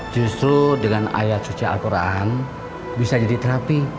justru dengan ayat suci al quran bisa jadi terapi